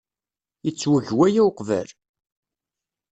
Yettweg waya uqbel?